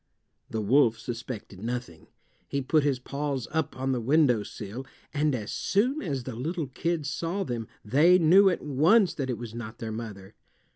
The wolf suspected nothing. He put his paws up on the windowsill, and as soon as the little kids saw them they knew at once that it was not their mother.